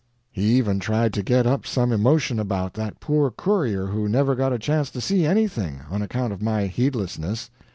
He even tried to get up some emotion about that poor courier, who never got a chance to see anything, on account of my heedlessness.